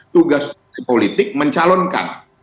tugas partai politik mencalonkan